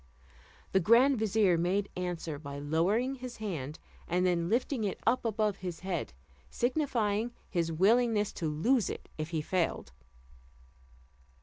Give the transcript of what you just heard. The grand vizier made answer by lowering his hand, and then lifting it up above his head, signifying his willingness to lose it if he failed.